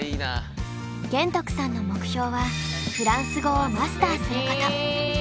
玄徳さんの目標はフランス語をマスターすること。